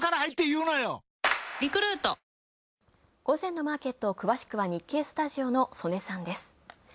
午前のマーケット、詳しくは日経スタジオの曽根さんです。